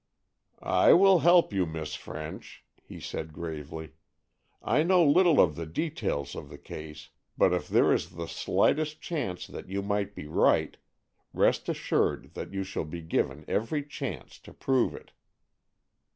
"I will help you, Miss French," he said gravely. "I know little of the details of the case, but if there is the slightest chance that you may be right, rest assured that you shall be given every chance to prove it."